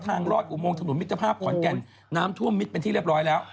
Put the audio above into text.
รอดอุโมงถนนมิตรภาพขอนแก่นน้ำท่วมมิดเป็นที่เรียบร้อยแล้ว